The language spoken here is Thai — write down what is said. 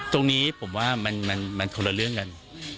ตรงนี้ผมว่ามันคนละเรื่องกัน